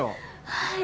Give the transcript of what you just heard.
はい。